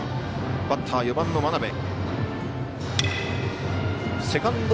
バッター、４番の真鍋。